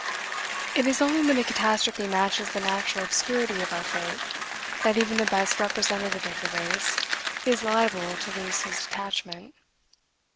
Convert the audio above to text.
It is only when the catastrophe matches the natural obscurity of our fate that even the best representative of the race is liable to lose his detachment.